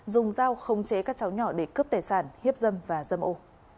dùng dao khống chế các cháu nhỏ để cướp tài sản hiếp dâm và dâm ô